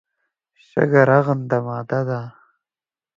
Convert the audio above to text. شګه رغنده ماده ده.